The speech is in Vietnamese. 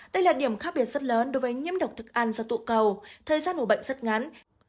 đây là điểm khác biệt rất lớn đối với nhiễm độc thực ăn do tụ cầu thời gian mổ bệnh rất ngắn